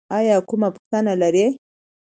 ایا کومه پوښتنه لرئ؟